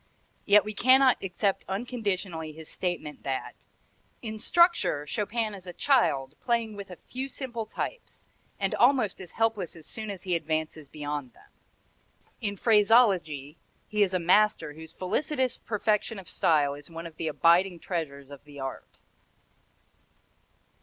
Yet we cannot accept unconditionally his statement that "in structure Chopin is a child playing with a few simple types, and almost helpless as soon as he advances beyond them; in phraseology he is a master whose felicitous perfection of style is one of the abiding treasures of the art."